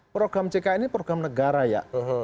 program ckn ini program negara ya